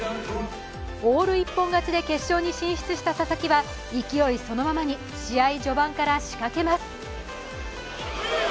オール一本勝ちで決勝に進出した佐々木は勢いそのままに試合序盤から仕掛けます。